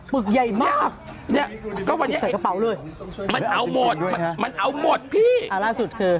ปึกใหญ่มากติดใส่กระเป๋าด้วยมันเอาหมดมันเอาหมดพี่อ้าวล่าสุดคือ